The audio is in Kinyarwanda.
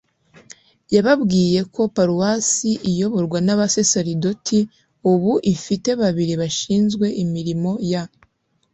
yababwiye ko paruwasi iyoborwa n'abasaserdoti, ubu ifite babiri bashinzwe imirimo ya